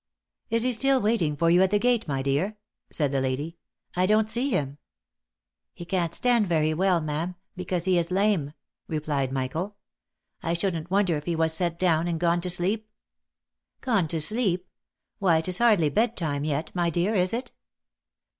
" Is he still waiting for you at the gate, my dear?" said the lady. " I don't see him." " He can't stand very well, ma'am, because he is lame," replied Michael. " I shouldn't wonder if he was set down, and gone to " Gone to sleep !— why it is hardly bedtime yet, my dear, is it?